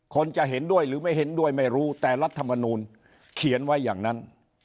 จะเห็นด้วยหรือไม่เห็นด้วยไม่รู้แต่รัฐมนูลเขียนไว้อย่างนั้น